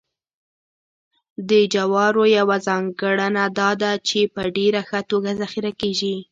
د جوارو یوه ځانګړنه دا ده چې په ډېره ښه توګه ذخیره کېږي